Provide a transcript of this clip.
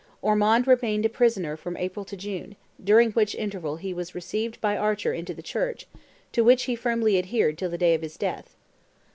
Ormond remained a prisoner from April to June, during which interval he was received by Archer into the Church, to which he firmly adhered till the day of his death.